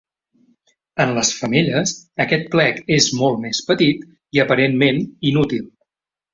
En les femelles aquest plec és molt més petit i aparentment inútil.